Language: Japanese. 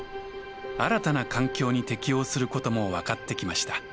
新たな環境に適応することも分かってきました。